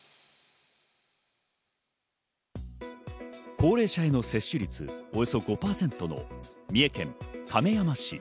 高齢者への接種率およそ５％の三重県亀山市。